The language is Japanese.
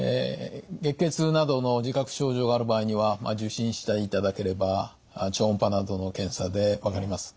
月経痛などの自覚症状がある場合には受診していただければ超音波などの検査で分かります。